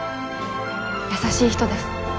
優しい人です